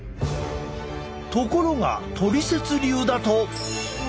ところがトリセツ流だと。